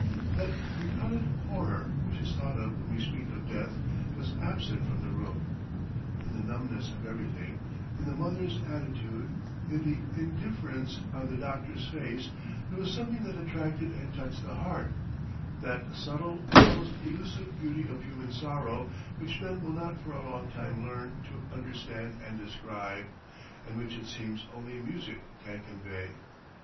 That repellent horror which is thought of when we speak of death was absent from the room. In the numbness of everything, in the mother's attitude, in the indifference on the doctor's face there was something that attracted and touched the heart, that subtle, almost elusive beauty of human sorrow which men will not for a long time learn to understand and describe, and which it seems only music can convey.